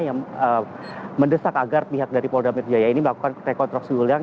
yang mendesak agar pihak dari polda metro jaya ini melakukan rekonstruksi ulang